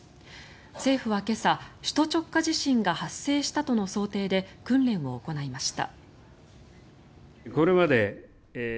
政府は今朝、首都直下地震が発生したとの想定で訓練を行いました。